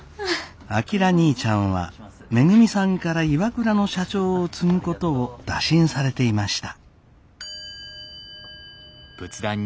章にいちゃんはめぐみさんからＩＷＡＫＵＲＡの社長を継ぐことを打診されていました。